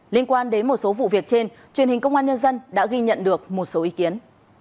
liên quan đến một số vụ việc trên truyền hình công an nhân dân đã ghi nhận được một số ý kiến